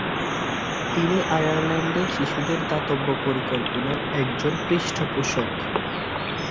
তিনি আয়ারল্যান্ডে শিশুদের দাতব্য পরিকল্পনার একজন পৃষ্ঠপোষক।